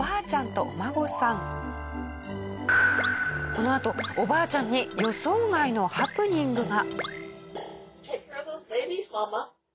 このあとおばあちゃんに予想外のハプニングが。